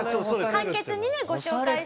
簡潔にねご紹介して。